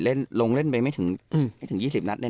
ลงเล่นไปไม่ถึง๒๐นัดเลย